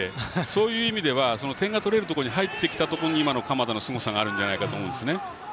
そういう意味では点が取れるところに入ってきたところに今の鎌田のすごさがあるんじゃないかと思うんです。